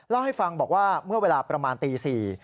เล่าให้ฟังบอกว่าเมื่อเวลาประมาณตี๔